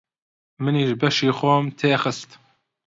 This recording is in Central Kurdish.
منیش بەشی خۆم تێ خست.